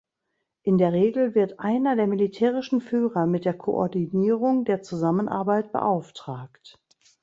In der Regel wird einer der militärischen Führer mit der Koordinierung der Zusammenarbeit beauftragt.